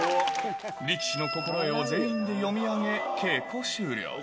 力士の心得を全員で読み上げ、稽古終了。